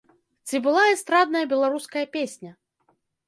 Ці была эстрадная беларуская песня?